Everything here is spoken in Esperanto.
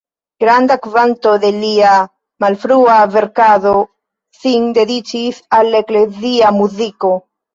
Granda kvanto de lia malfrua verkado sin dediĉis al la eklezia muziko.